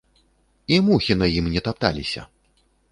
І мухі на ім не тапталіся!